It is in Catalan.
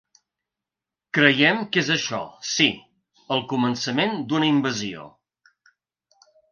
Creiem que és això, sí, el començament d’una invasió.